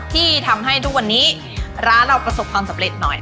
ที่ทำให้ทุกวันนี้ร้านเราประสบความสำเร็จหน่อย